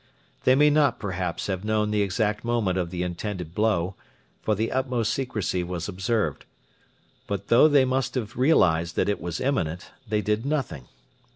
They may not, perhaps, have known the exact moment of the intended blow, for the utmost secrecy was observed. But though they must have realised that it was imminent, they did nothing.